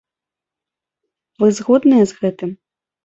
Вы згодныя з гэтым?